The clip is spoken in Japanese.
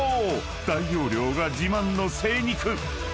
［大容量が自慢の精肉］